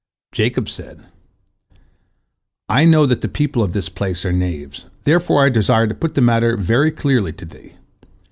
Jacob said: "I know that the people of this place are knaves, therefore I desire to put the matter very clearly to thee.